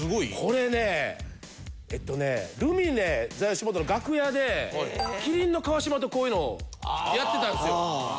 これねえっとねルミネｔｈｅよしもとの楽屋で麒麟の川島とこういうのやってたんですよ